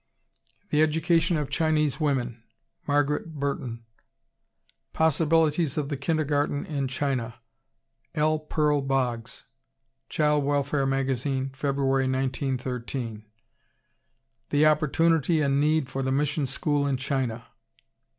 The Education of Chinese Women, Margaret Burton. Possibilities of the Kindergarten in China, L. Pearl Boggs, Child Welfare Magazine, Feb., 1913. "The Opportunity and Need for the Mission School in China."